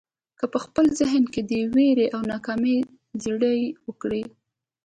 که په خپل ذهن کې د وېرې او ناکامۍ زړي وکرئ.